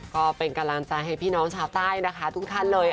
ก็เป็นกำลังใจให้พี่น้องชาวใต้นะคะทุกท่านเลย